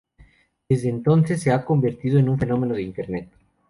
Desde entonces se ha convertido en un fenómeno de internet.